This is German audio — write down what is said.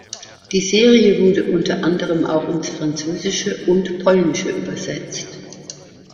Die Serie wurde unter anderem auch ins Französische und Polnische übersetzt.